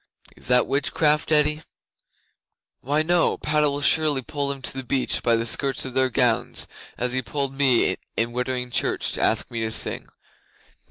Is that witchcraft, Eddi?" '"Why, no. Surely Padda will go and pull them to the beach by the skirts of their gowns as he pulled me in Wittering Church to ask me to sing.